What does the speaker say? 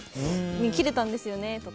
切れたんですよねとか。